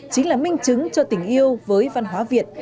chính là minh chứng cho tình yêu với văn hóa việt